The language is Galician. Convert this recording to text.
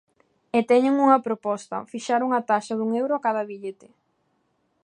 E teñen unha proposta: fixar unha taxa dun euro a cada billete.